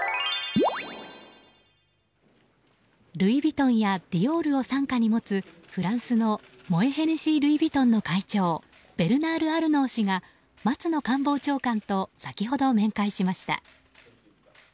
ルイ・ヴィトンやディオールを傘下に持つフランスのモエ・ヘネシー・ルイ・ヴィトンのベルナール・アルノー氏が松野官房長官と先ほど面会しました。